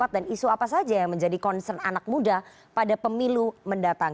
dan isu apa saja yang menjadi concern anak muda pada pemilu mendatang